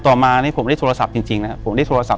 ต่อมาผมได้โทรศัพท์จริงนะครับ